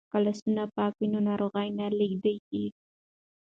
که لاسونه پاک وي نو ناروغي نه لیږدیږي.